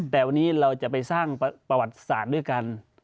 แต่วันนี้เราจะไปสร้างประวัติศาสตร์ด้วยกัน